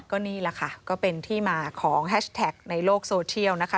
ก็นี่แหละค่ะก็เป็นที่มาของแฮชแท็กในโลกโซเชียลนะคะ